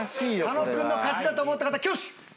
狩野君の勝ちだと思った方挙手！